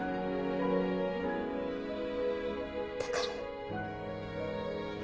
だから。